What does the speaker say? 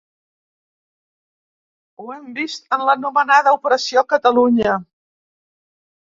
Ho hem vist en l’anomenada operació Catalunya.